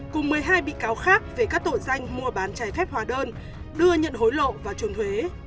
cùng một mươi hai bị cáo khác về các tội danh mua bán trái phép hóa đơn đưa nhận hối lộ và trôn thuế